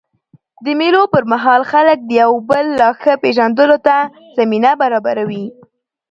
د مېلو پر مهال خلک د یو بل لا ښه پېژندلو ته زمینه برابروي.